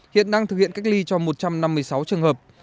hiện đang thực hiện cách ly cho một trăm năm mươi sáu trường hợp